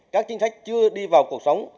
các chính sách chưa đi vào cuộc sống